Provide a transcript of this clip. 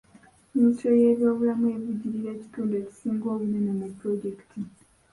Minisitule y'ebyobulamu evujjirira ekitundu ekisinga obunene mu pulojekiti.